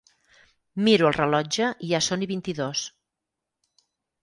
Miro el rellotge i ja són i vint-i-dos.